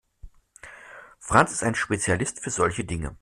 Franz ist ein Spezialist für solche Dinge.